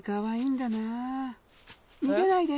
逃げないで！